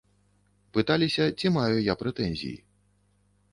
Пыталіся, ці маю я прэтэнзіі.